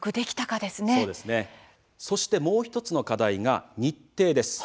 そして、もう１つの課題は日程です。